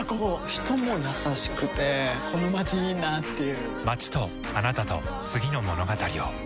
人も優しくてこのまちいいなぁっていう